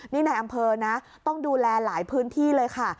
นี่ในอำเภอนะต้องดูแลหลายพื้นที่เลยค่ะ